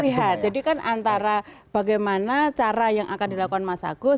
lihat jadi kan antara bagaimana cara yang akan dilakukan mas agus